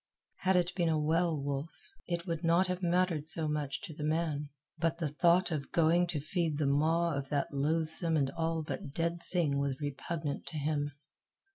Had it been a well wolf, it would not have mattered so much to the man; but the thought of going to feed the maw of that loathsome and all but dead thing was repugnant to him.